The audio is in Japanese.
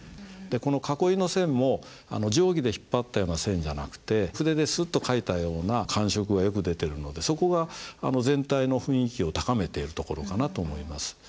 囲いの線も定規で引っ張ったような線じゃなくて筆でスッと書いたような感触がよく出てるのでそこが全体の雰囲気を高めているところかなと思います。